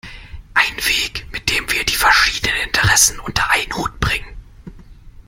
Ein Weg, mit dem wir die verschiedenen Interessen unter einen Hut bringen.